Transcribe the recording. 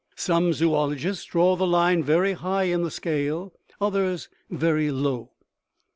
Some zoologists draw the line very high in the scale, others very low.